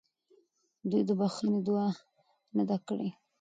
دوی د بخښنې دعا نه ده کړې.